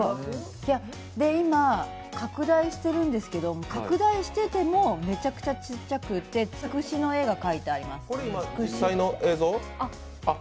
今、拡大してるんですけど、拡大しててもめちゃくちゃちっちゃくてつくしの絵が描いてあります。